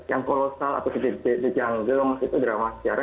yang kolosal atau dijanggum itu drama sejarah